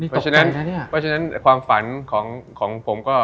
เพราะฉะนั้นความฝันของผมก็